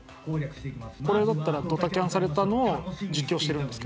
これだったらドタキャンされたのを実況しているんです。